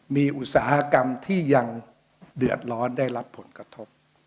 มีอุตสาหกรรมที่ยังเดือดร้อนได้รับผลกระทบ